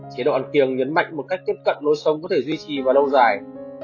chế độ ăn kiêng nhấn mạnh một cách tiếp cận lối sống có thể duy trì và đau dài